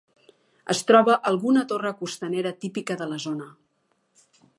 Es troba alguna torre costanera típica de la zona.